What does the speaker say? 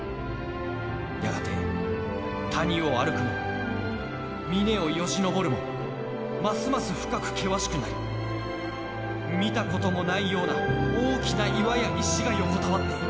やがて谷を歩くも峰をよじ登るもますます深く険しくなり見たこともないような大きな岩や石が横たわっている」。